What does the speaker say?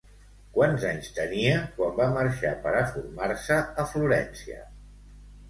Quants anys tenia quan va marxar per a formar-se a Florència?